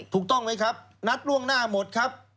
ถูกต้องไหมครับนัดล่วงหน้าหมดครับ